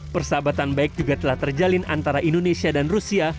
persahabatan baik juga telah terjalin antara indonesia dan rusia